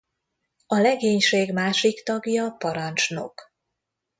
A legénység másik tagja parancsnok.